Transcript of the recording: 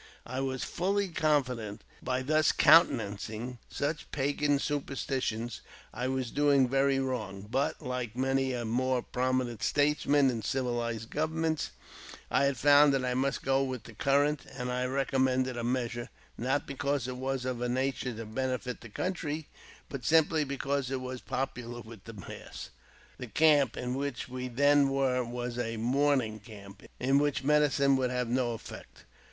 '*' |l I was fully confident that by thus countenancing such pagan ^ superstitions I was doing very wrong, but, like many a more prominent statesmen in civilized governments, I had founc that I must go with the current, and I recommended 8 measure, not because it was of a nature to benefit the country^ but simply because it was popular with the mass. The camp in which we then were was a mourning camp, in which medicine would have no effect.